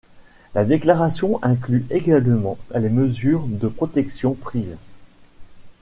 La déclaration inclus également les mesures de protection prises.